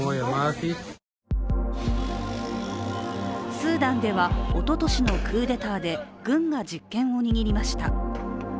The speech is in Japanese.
スーダンでは、おととしのクーデターで軍が実権を握りました。